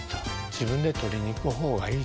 「自分で取りに行く方がいい。